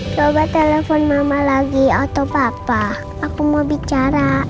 coba telepon mama lagi atau papa aku mau bicara